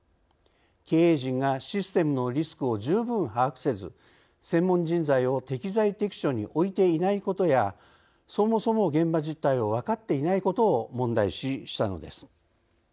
経営陣がシステムのリスクを十分把握せず専門人材を適材適所に置いていないことやそもそも現場実態を分かっていないことを問題視したのです。